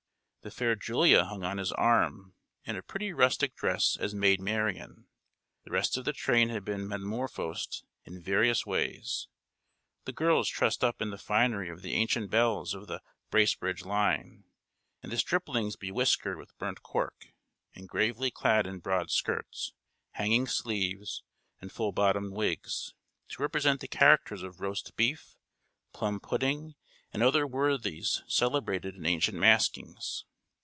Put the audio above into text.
The fair Julia hung on his arm in a pretty rustic dress, as "Maid Marian." The rest of the train had been metamorphosed in various ways; the girls trussed up in the finery of the ancient belles of the Bracebridge line, and the striplings be whiskered with burnt cork, and gravely clad in broad skirts, hanging sleeves, and full bottomed wigs, to represent the characters of Roast Beef, Plum Pudding, and other worthies celebrated in ancient maskings.